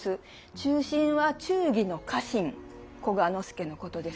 「忠臣」は忠義の家臣久我之助のことですね。